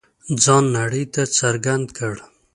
ځان نړۍ ته څرګند کړ.